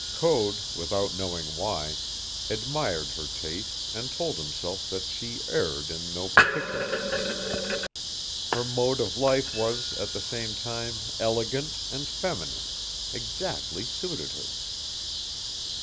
Code, without knowing why, admired her taste and told himself that she erred in no particular. Her mode of life was, at the same time, elegant and feminine exactly suited her.